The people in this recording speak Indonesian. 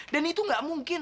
dan itu ga mungkin